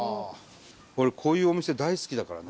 俺こういうお店大好きだから。